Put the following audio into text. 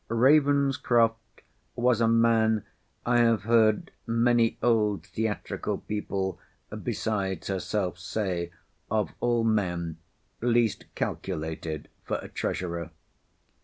Ravenscroft was a man, I have heard many old theatrical people besides herself say, of all men least calculated for a treasurer.